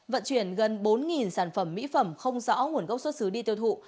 vận chuyển gần bốn sản phẩm mỹ phẩm không rõ nguồn gốc xuất xứ đi tiêu thụ